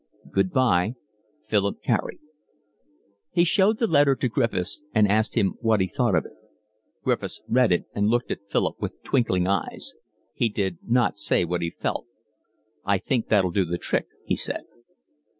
Good bye. Philip Carey. He showed the letter to Griffiths and asked him what he thought of it. Griffiths read it and looked at Philip with twinkling eyes. He did not say what he felt. "I think that'll do the trick," he said.